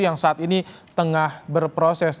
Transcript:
yang saat ini tengah berproses